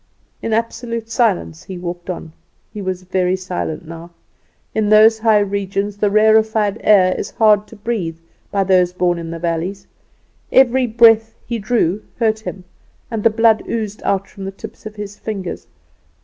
In absolute silence he walked on. He was very silent now. In those high regions the rarefied air is hard to breathe by those born in the valleys; every breath he drew hurt him, and the blood oozed out from the tips of his fingers.